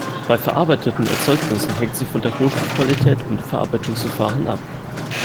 Bei verarbeiteten Erzeugnissen hängt sie von der Rohstoffqualität und den Verarbeitungsverfahren ab.